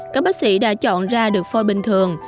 các bác sĩ đã chọn ra được phoi bình thường